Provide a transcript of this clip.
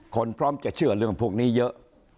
พร้อมจะเชื่อเรื่องพวกนี้เยอะ